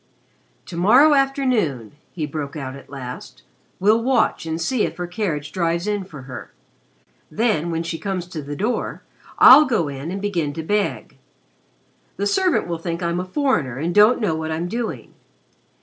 "To morrow afternoon," he broke out at last, "we'll watch and see if her carriage drives in for her then, when she comes to the door, I'll go in and begin to beg. The servant will think I'm a foreigner and don't know what I'm doing.